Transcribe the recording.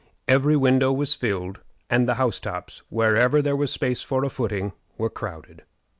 Every window was filled, and the house tops, wherever there was space for a footing, were crowded.